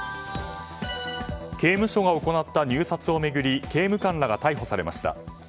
刑務所が行った入札を巡り刑務官らが逮捕されました。